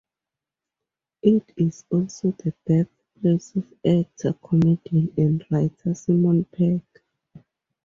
It is also the birthplace of actor, comedian and writer Simon Pegg.